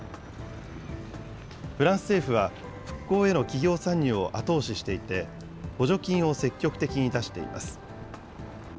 フランス政府は、復興への企業参入を後押ししていて、補助金を積極的に出しています。